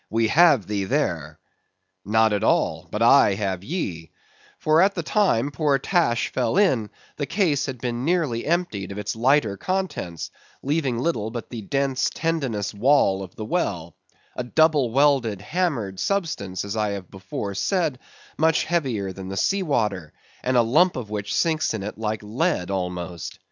We have thee there. Not at all, but I have ye; for at the time poor Tash fell in, the case had been nearly emptied of its lighter contents, leaving little but the dense tendinous wall of the well—a double welded, hammered substance, as I have before said, much heavier than the sea water, and a lump of which sinks in it like lead almost.